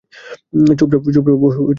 চুপচাপ বসে পড়।